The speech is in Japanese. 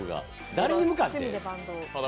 誰に向かって？